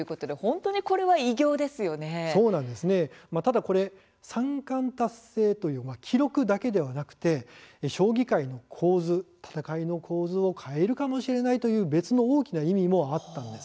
ただ三冠達成という記録だけではなくて将棋界の戦いの構図を変えるかもしれないという別の大きな意味があったんです。